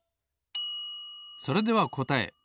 それではこたえ。